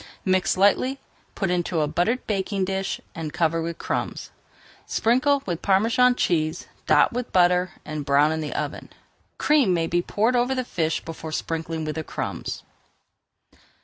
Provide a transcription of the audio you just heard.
Mix lightly, put into a buttered baking dish, cover with crumbs, sprinkle with Parmesan cheese, dot with butter, and brown in the oven. Cream may be poured over the fish before sprinkling with the crumbs.